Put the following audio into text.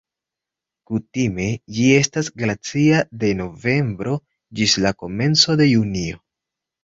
Kutime ĝi estas glacia de novembro ĝis la komenco de junio.